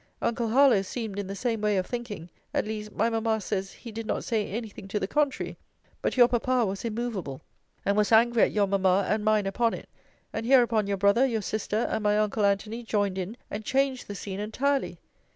Uncle Harlowe seemed in the same way of thinking; at least, my mamma says he did not say any thing to the contrary. But your papa was immovable, and was angry at your mamma and mine upon it. And hereupon your brother, your sister, and my uncle Antony, joined in, and changed the scene entirely.